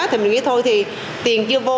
thì mình nghĩ thôi thì tiền chưa vô